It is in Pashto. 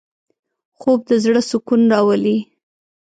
خوب د زړه سکون راولي